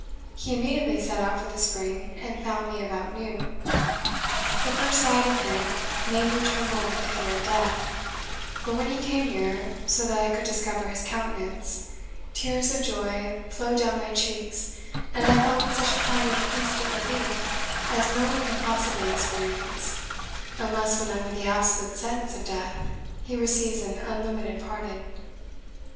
He immediately set out for the spring, and found me about noon. The first sight of him made me tremble with the fear of death; but when he came near, so that I could discover his countenance, tears of joy flowed down my cheeks, and I felt such a kind of instant relief as no one can possibly experience, unless when under the absolute sentence of death he receives an unlimited pardon.